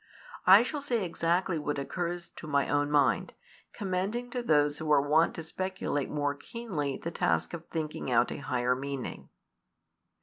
I shall say exactly what occurs to my own mind, commending to those who are wont to speculate more keenly the task of thinking out a higher meaning.